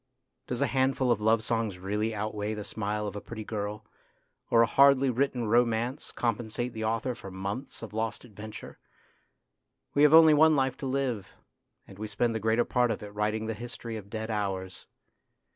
Does a handful of love songs really outweigh the smile of a pretty girl, or a hardly written romance compensate the author for months of lost adventure? We have only one life to live, and we spend the greater part of it writing the history of dead hours.